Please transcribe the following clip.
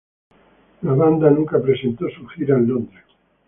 La banda nunca presentó su gira en Londres.